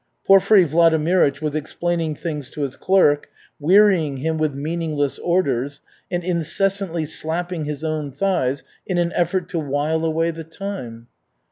Porfiry Vladimirych was explaining things to his clerk, wearying him with meaningless orders and incessantly slapping his own thighs in an effort to while away the time.